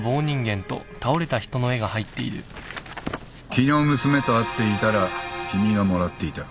昨日娘と会っていたら君がもらっていた。